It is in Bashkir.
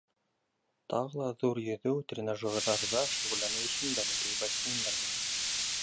Тағы ла ҙур йөҙөү, тренажерҙарҙа шөғөлләнеү өсөн бәләкәй бассейндар бар.